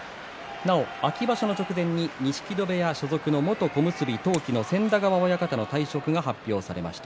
同秋場所の直前に錦戸部屋所属の元小結闘牙の千田川親方の退職が発表されました。